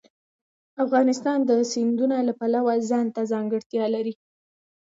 افغانستان د سیندونه د پلوه ځانته ځانګړتیا لري.